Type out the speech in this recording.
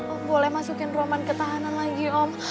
om boleh masukin roman ke tahanan lagi om